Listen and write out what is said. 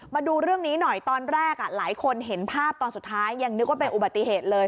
มาดูเรื่องนี้หน่อยตอนแรกหลายคนเห็นภาพตอนสุดท้ายยังนึกว่าเป็นอุบัติเหตุเลย